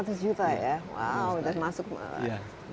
wow sudah masuk banget